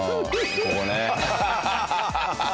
ここね。